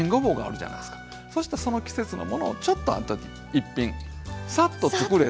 そしてその季節のものをちょっとある時一品さっとつくれて。